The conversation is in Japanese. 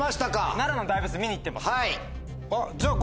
奈良の大仏見に行ってます。